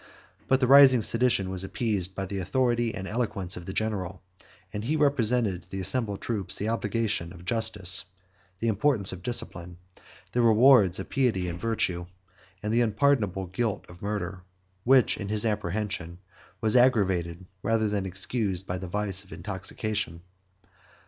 But the rising sedition was appeased by the authority and eloquence of the general: and he represented to the assembled troops the obligation of justice, the importance of discipline, the rewards of piety and virtue, and the unpardonable guilt of murder, which, in his apprehension, was aggravated rather than excused by the vice of intoxication.